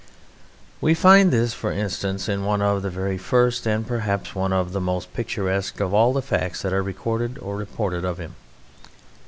We find this, for instance, in one of the very first and perhaps one of the most picturesque of all the facts that are recorded or reported of him.